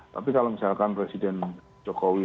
tapi kalau misalkan presiden jokowi